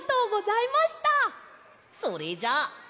それじゃあ。